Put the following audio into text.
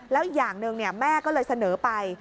แล้วอย่างหนึ่งแม่ก็เลยเสนอไป